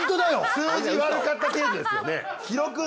数字悪かった程度ですよね。